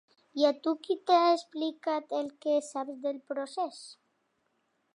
I a tu qui t’ha explicat el que saps del procés?